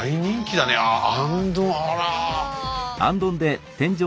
あら。